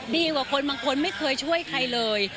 ดีกว่าคนบางคนไม่เคยช่วยใครเลย